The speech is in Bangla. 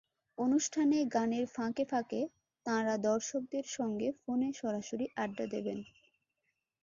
অনুষ্ঠানে গানের ফাঁকে ফাঁকে তাঁরা দর্শকদের সঙ্গে ফোনে সরাসরি আড্ডা দেবেন।